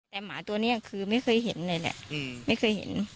แต่หมาตัวนี้คือไม่เคยเห็นเลยแหละไม่เคยเห็น